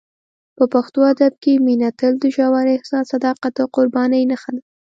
په پښتو ادب کې مینه تل د ژور احساس، صداقت او قربانۍ نښه ده.